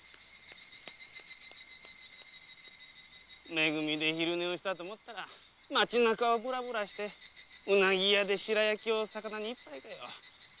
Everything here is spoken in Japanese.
め組で昼寝をしたと思ったら町中をフラフラして鰻屋で白焼きを肴に一杯かよ。